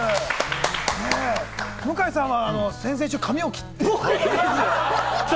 向井さんは先々週、髪を切って。